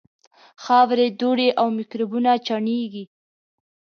خاورې، دوړې او میکروبونه چاڼېږي.